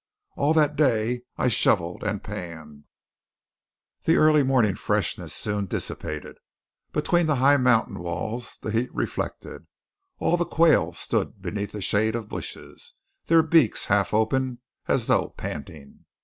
All that day I shovelled and panned. The early morning freshness soon dissipated. Between the high mountain walls the heat reflected. All the quail stood beneath the shade of bushes, their beaks half open as though panting.